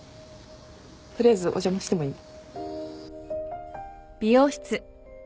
取りあえずお邪魔してもいい？